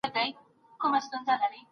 بس کیسې دي د پنځه زره کلونو